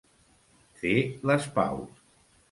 Fer les paus.